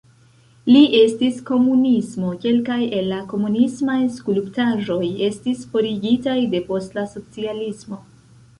Li estis komunisto, kelkaj el la komunismaj skulptaĵoj estis forigitaj depost la socialismo.